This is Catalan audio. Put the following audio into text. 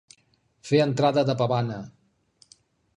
Fer entrada de pavana.